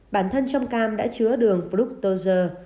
bản thân trong cam đã chứa đường fructose